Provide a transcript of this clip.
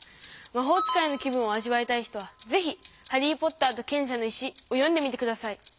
まほう使いの気分をあじわいたい人はぜひ「ハリー・ポッターと賢者の石」を読んでみて下さい。